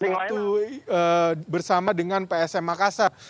seperti apa nanti bersama dengan psm makassar